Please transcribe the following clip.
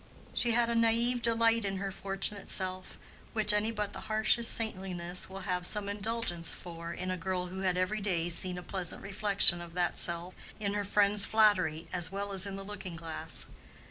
She had a naïve delight in her fortunate self, which any but the harshest saintliness will have some indulgence for in a girl who had every day seen a pleasant reflection of that self in her friends' flattery as well as in the looking glass.